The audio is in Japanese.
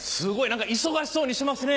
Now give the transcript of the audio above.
何か忙しそうにしてますね